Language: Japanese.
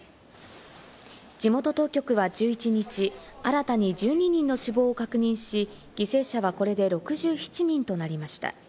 地元当局は１１日、新たに１２人の死亡を確認し、犠牲者はこれで６７人となりました。